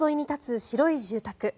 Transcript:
川沿いに立つ白い住宅。